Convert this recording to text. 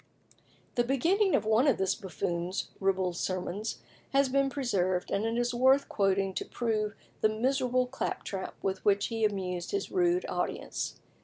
The beginning of one of this buffoon's ribald sermons has been preserved, and is worth quoting to prove the miserable claptrap with which he amused his rude audience.